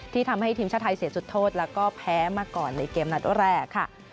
ทำให้ทีมชาติไทยเสียจุดโทษแล้วก็แพ้มาก่อนในเกมนัดแรกค่ะ